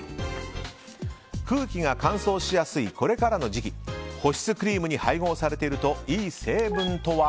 空気が乾燥しやすいこれからの時期保湿クリームに配合されているといい成分とは？